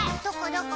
どこ？